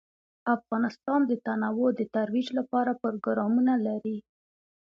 افغانستان د تنوع د ترویج لپاره پروګرامونه لري.